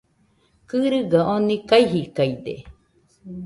Kɨrɨgaɨ oni kajidaide